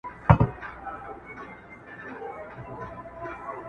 • زه ، ته او سپوږمۍ.